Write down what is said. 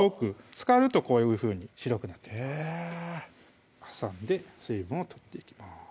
漬かるとこういうふうに白く挟んで水分を取っていきます